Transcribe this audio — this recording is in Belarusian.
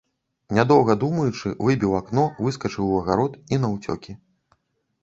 Нядоўга думаючы, выбіў акно, выскачыў у агарод і наўцёкі.